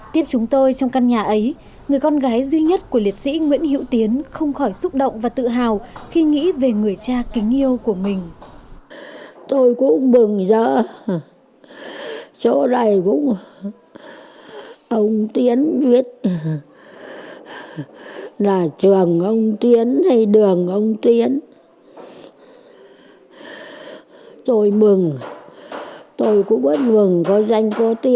tiếp chúng tôi trong căn nhà ấy người con gái duy nhất của liệt sĩ nguyễn hiệu tiến không khỏi xúc động và tự hào khi nghĩ về người cha kính yêu của mình